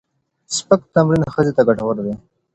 سپک تمرين ښځې ته ګټور دی